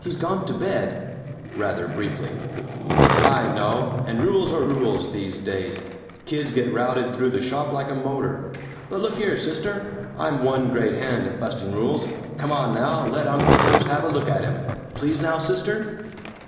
"He's gone to bed," rather briefly. "I know. And rules are rules, these days. Kids get routed through the shop like a motor. But look here, sister; I'm one great hand at busting rules. Come on now, let Uncle Perce have a look at him. Please now, sister?"